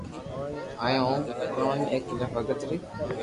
اھيو ھون او ڪہوني ايڪ سچا ڀگت ري ھي